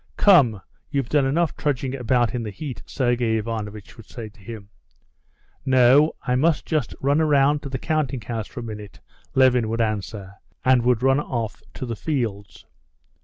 "Come, you've done enough trudging about in the heat," Sergey Ivanovitch would say to him. "No, I must just run round to the counting house for a minute," Levin would answer, and he would run off to the fields.